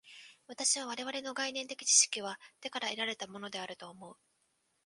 私は我々の概念的知識は手から得られたのであると思う。